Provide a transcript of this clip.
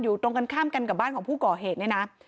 ตรงกันข้ามกันกับบ้านของผู้ก่อเหตุเนี่ยนะ